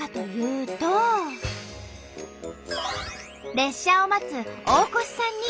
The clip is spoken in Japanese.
列車を待つ大越さんに注目。